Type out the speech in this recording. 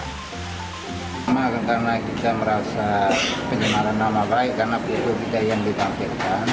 karena kita merasa pencemarkan nama baik karena foto kita yang dipakai